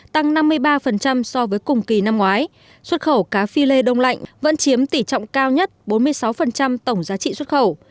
tăng năm mươi ba so với cùng kỳ năm ngoái xuất khẩu cá phi lê đông lạnh vẫn chiếm tỷ trọng cao nhất bốn mươi sáu tổng giá trị xuất khẩu